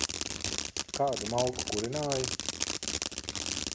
Kādu malku kurināji?